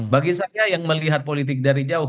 bagi saya yang melihat politik dari jauh